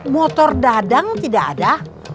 motor dadang tidak ada